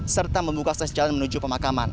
serta membuka akses jalan menuju pemakaman